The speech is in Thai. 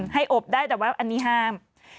ให้อบได้แต่ว่าอันนี้ห้าม